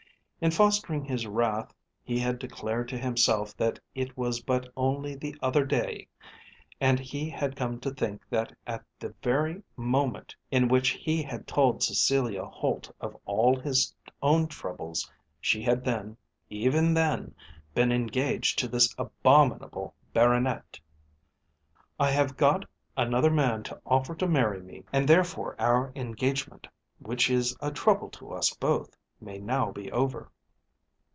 In fostering his wrath he had declared to himself that it was but only the other day; and he had come to think that at the very moment in which he had told Cecilia Holt of all his own troubles she had then, even then, been engaged to this abominable baronet. "I have got another man to offer to marry me, and therefore our engagement, which is a trouble to us both, may now be over."